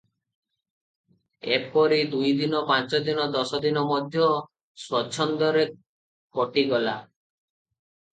ଏହିପରି ଦୁଇଦିନ, ପାଞ୍ଚଦିନ ଦଶ ଦିନ ମଧ୍ୟ ସ୍ୱଚ୍ଛନ୍ଦରେ କଟି ଗଲା ।